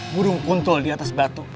burung kuntul di atas batu